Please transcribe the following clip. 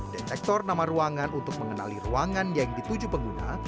detektor nama ruangan untuk mengenali ruangan yang dituju pengguna